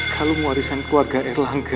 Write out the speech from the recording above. kalung warisan keluarga erlangga